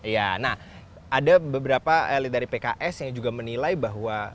ya nah ada beberapa elit dari pks yang juga menilai bahwa